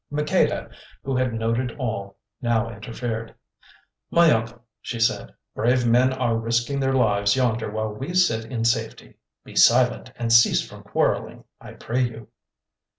Maqueda, who had noted all, now interfered. "My uncle," she said, "brave men are risking their lives yonder while we sit in safety. Be silent and cease from quarrelling, I pray you."